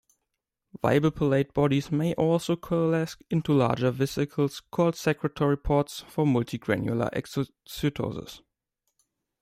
Weibel-Palade bodies may also coalesce into larger vesicles called secretory pods for multigranular exocytosis.